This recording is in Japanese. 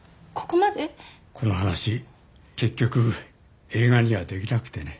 この話結局映画にはできなくてね。